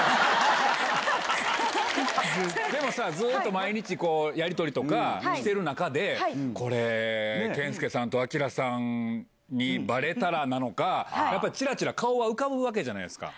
でもさ、ずっと毎日こう、やり取りとかしてる中で、これ、健介さんと晶さんにばれたらなのか、やっぱりちらちら顔は浮かぶわけじゃないですか。